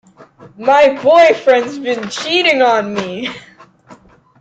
My boyfriend's been cheating on me.